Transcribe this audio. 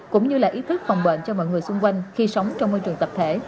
cũng như là ý thức phòng bệnh cho mọi người xung quanh khi sống trong môi trường tập thể